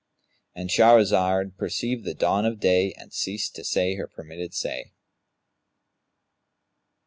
'" —And Shahrazad perceived the dawn of day and ceased to say her permitted say.